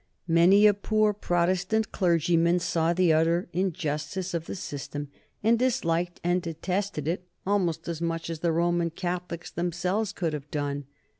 Many a poor Protestant clergyman saw the utter injustice of the system, and disliked and detested it almost as much as the Roman Catholics themselves could have done.